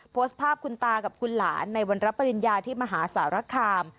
โพสต์ภาพคุณตากับคุณหลานในวันรับปริญญาที่มหาสารคาม